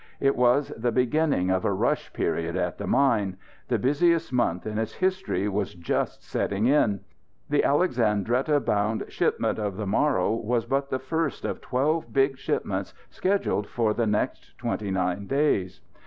It was the beginning of a rush period at the mine the busiest month in its history was just setting in. The Alexandretta bound shipment of the morrow was but the first of twelve big shipments scheduled for the next twenty nine days.